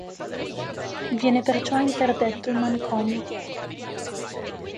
Viene perciò interdetto in manicomio.